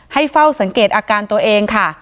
ให้เฝ้าสังเกตอาการตัวเองค่ะ